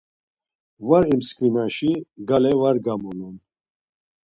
Var imskimaşi gale var gamulun.